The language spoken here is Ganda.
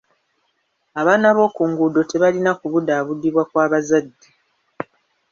Abaana b'oku nguudo tebalina kubudaabudibwa kw'abazadde.